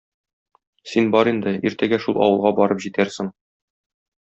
Син бар инде, иртәгә шул авылга барып җитәрсең.